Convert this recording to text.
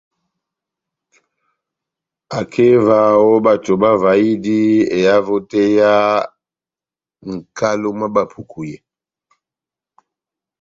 Akeva ó bato bavahidi ehavo tɛ́h yá nʼkalo mwá Bapuku yé.